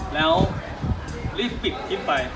แล้วรีบปิดคลิปไป